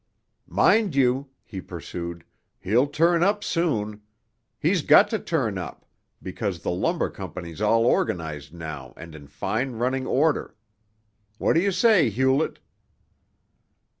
"Mind you," he pursued, "he'll turn up soon. He's got to turn up, because the lumber company's all organized now and in fine running order. What do you say, Hewlett?"